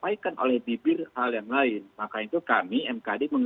jadi yang amat ber disadvantages gimanya itulah dari tingkatnya manusia